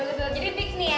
rumah reva pertama ya